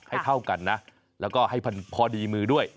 ให้เท่ากันนะแล้วก็ให้พอดีมือด้วย